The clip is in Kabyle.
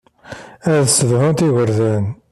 Ad ssedhunt igerdan.